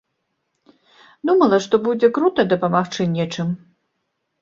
Думала, што будзе крута дапамагчы нечым.